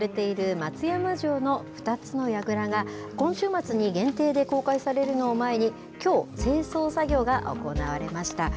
国の重要文化財に指定されている松山城の２つのやぐらが、今週末に限定で公開されるのを前に、きょう、清掃作業が行われました。